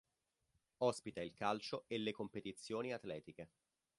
Ospita il calcio e le competizioni atletiche.